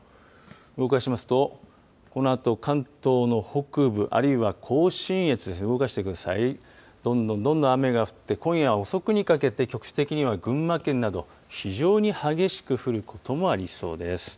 動かしますと、このあと関東の北部、あるいは甲信越ですね、動かしてください、どんどんどんどん雨が降って、今夜遅くにかけて、局地的には群馬県など、非常に激しく降ることもありそうです。